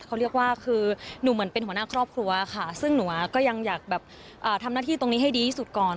เขาเรียกว่าคือหนูเหมือนเป็นหัวหน้าครอบครัวค่ะซึ่งหนูก็ยังอยากแบบทำหน้าที่ตรงนี้ให้ดีที่สุดก่อน